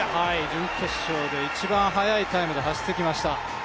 準決勝で一番速いタイムで走ってきました。